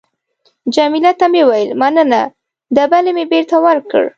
جميله ته مې وویل: مننه. دبلی مې بېرته ورکړ.